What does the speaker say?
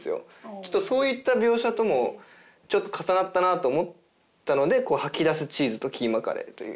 ちょっとそういった描写ともちょっと重なったなと思ったので「吐き出すチーズとキーマカレー」という。